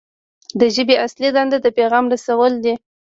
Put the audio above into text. د ژبې اصلي دنده د پیغام رسول دي.